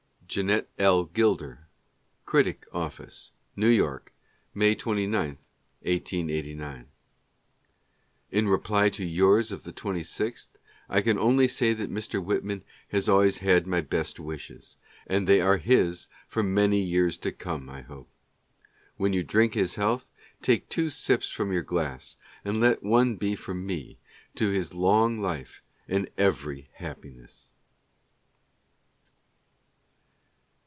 Jeannette L. Gilder: "Critic" Office, N. K, May 29, 1889. In reply to yours of the 26th, I can only say that Mr. Whit man has always had my best wishes, and they are his for many years to come, I hope. When you drink his health, take two sips from your glass, and let one be for me to his long life and every happiness.